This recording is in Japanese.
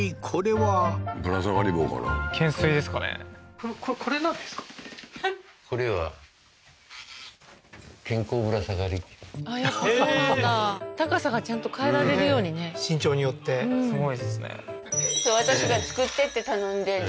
これはあっやっぱそうなんだ高さがちゃんと変えられるようにね身長によってすごいですね